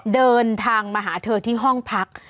เดินทางมาหาเธอที่ห้องพัก